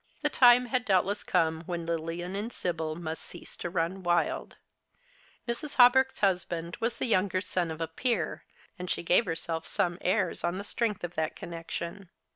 The time had doubtless come when Lilian and Sibyl must cease to run wild. IVErs. Hawberk's husband was the younger son of a peer, and she gave herself some airs on the strength of that connection.